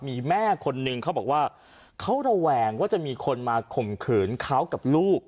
มีแม่คนนึงเขาบอกว่าเขาระแวงว่าจะมีคนมาข่มขืนเขากับลูก